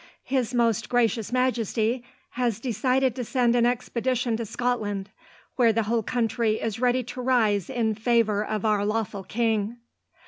His Most Gracious Majesty has decided to send an expedition to Scotland, where the whole country is ready to rise in favour of our lawful king."